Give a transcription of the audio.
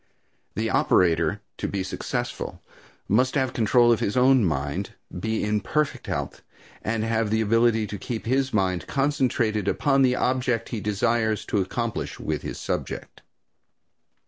The operator, to be successful, must have control of his own mind, be in perfect health and have the ability to keep his mind concentrated upon the object he desires to accomplish with his subject.